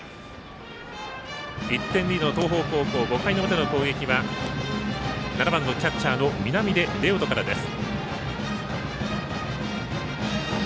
１点リードの東邦高校５回の表の攻撃は７番のキャッチャーの南出玲丘人からです。